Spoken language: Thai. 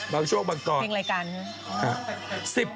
บางช่วงบางตอนเพลงรายการใช่มั้ย